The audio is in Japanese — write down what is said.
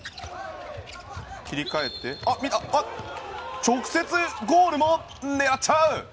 切り替えて直接ゴールも狙っちゃう！